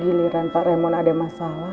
giliran pak remon ada masalah